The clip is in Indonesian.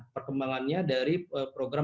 perkembangannya dari program